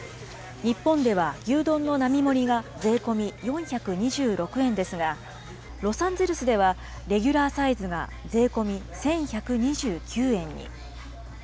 日本では、牛丼の並盛りが税込み４２６円ですが、ロサンゼルスでは、レギュラーサイズが税込み１１２９円に。